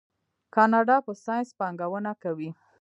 کاناډا په ساینس پانګونه کوي.